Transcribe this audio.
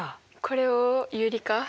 これを有理化。